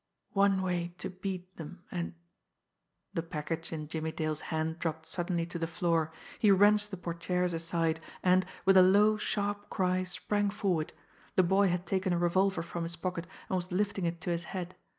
"One way to beat them, and " The package in Jimmie Dale's hand dropped suddenly to the floor, he wrenched the portières aside, and, with a low, sharp cry, sprang forward. The boy had taken a revolver from his pocket, and was lifting it to his head.